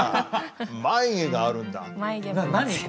眉毛があるんだ。